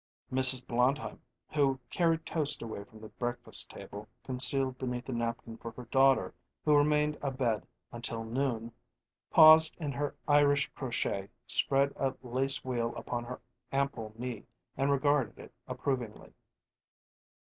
Mrs. Blondheim, who carried toast away from the breakfast table concealed beneath a napkin for her daughter who remained abed until noon, paused in her Irish crochet, spread a lace wheel upon her ample knee, and regarded it approvingly.